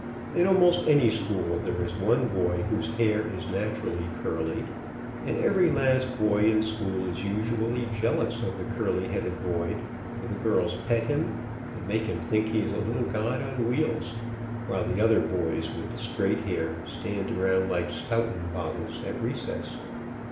In almost any school there is one boy whose hair is naturally curly, and every last boy in school is usually jealous of the curly headed boy, for the girls pet him, and make him think he is a little god on wheels, while the other boys with straight hair stand around like stoughton bottles, at recess.